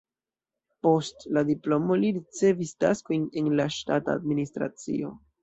Post la diplomo li ricevis taskojn en la ŝtata administracio.